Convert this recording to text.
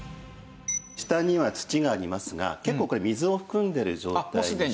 下には土がありますが結構これ水を含んでいる状態にして。